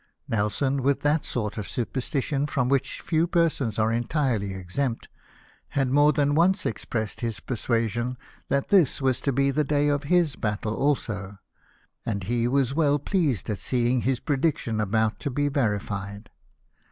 Nelson, with that sort of super stition from which few persons are entirely exempt, had more than once expressed his persuasion that this was to be the day of his battle also ; and he was u 306 LIFE OF NELSON. well pleased at seeing his prediction about to be verified.